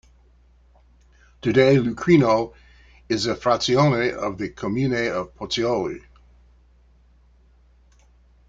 Today Lucrino is a "frazione" of the "comune" of Pozzuoli.